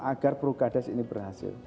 agar peruka desa ini berhasil